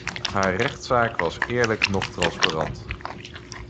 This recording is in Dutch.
Haar rechtszaak was eerlijk noch transparant.